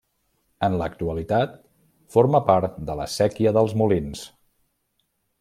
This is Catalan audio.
En l'actualitat forma part de la Séquia dels Molins.